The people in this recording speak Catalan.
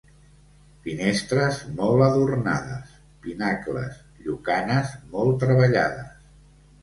Finestres molt adornades, pinacles, llucanes molt treballades.